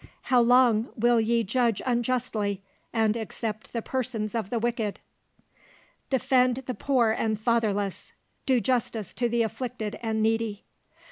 "'How long will ye judge unjustly, and accept the persons of the wicked? "'Defend the poor and fatherless: do justice to the afflicted and needy.